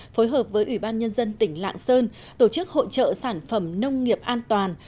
phối hợp với ủy ban nhân dân tỉnh lạng sơn tổ chức hội trợ sản phẩm nông nghiệp an toàn